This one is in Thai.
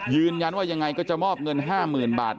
ยืนยันว่ายังไงก็จะมอบเงิน๕๐๐๐บาท